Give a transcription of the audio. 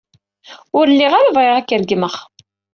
Ur lliɣ ara bɣiɣ ad k-regmeɣ.